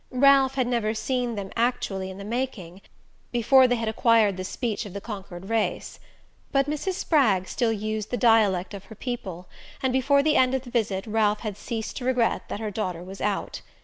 Ralph had never seen them actually in the making, before they had acquired the speech of the conquered race. But Mrs. Spragg still used the dialect of her people, and before the end of the visit Ralph had ceased to regret that her daughter was out.